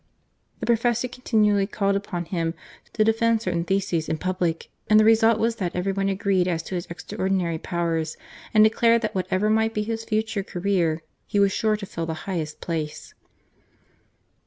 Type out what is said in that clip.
The Professor continually called upon him to defend certain theses in public, and the result was that everyone was agreed as to his extraordinary powers, and declared that what ever might be his future career, he was sure to fill the highest place.